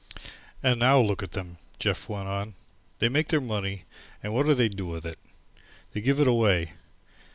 "And now look at 'em," Jeff went on. "They make their money and what do they do with it? They give it away.